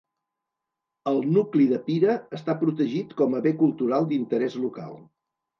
El nucli de Pira està protegit com a bé cultural d'interès local.